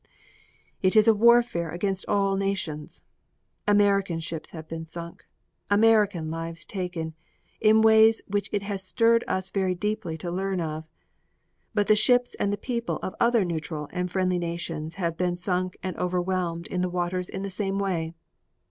It is a war against all nations: American ships have been sunk, American lives taken, in ways which it has stirred us very deeply to learn of, but the ships and people of other neutral and friendly nations have been sunk and overwhelmed in the waters in the same way.